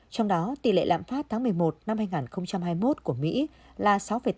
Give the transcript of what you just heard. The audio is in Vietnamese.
trong đó tỷ lệ lạm phát tháng một mươi một năm hai nghìn hai mươi một của mỹ là sáu tám